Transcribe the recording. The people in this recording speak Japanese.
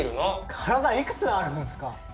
体いくつあるんすか？